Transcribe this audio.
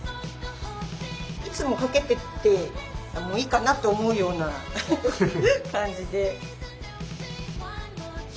いつも掛けててもいいかなと思うような感じで。